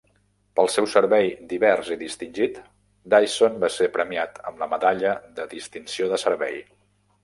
Pel seu servei divers i distingit, Dyson va ser premiat amb la Medalla de Distinció de Servei.